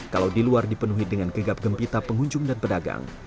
kalau di luar dipenuhi dengan gegap gempita pengunjung dan pedagang